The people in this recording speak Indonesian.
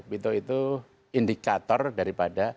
pito itu indikator daripada